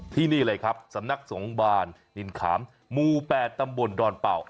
ที่นี่เลยครับสำนักสงบาลนินขามหมู่๘ตำบลดอนเป่า